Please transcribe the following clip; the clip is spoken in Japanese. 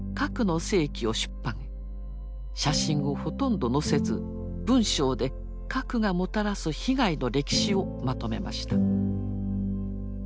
写真をほとんど載せず文章で核がもたらす被害の歴史をまとめました。